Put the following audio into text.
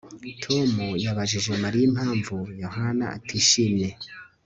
Tom yabajije Mariya impamvu Yohana atishimye